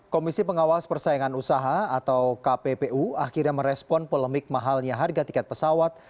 komisi pengawas persaingan usaha atau kppu akhirnya merespon polemik mahalnya harga tiket pesawat